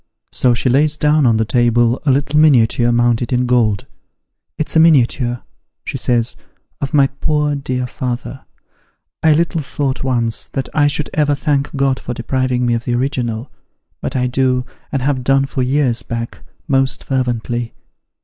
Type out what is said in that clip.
So she lays down on the table a little miniature mounted in gold. ' It's a miniature,' she says, ' of my poor dear father ! I little thought once, that I should ever thank God for depriving me of the original, but I do, and have done for years back, most fervently.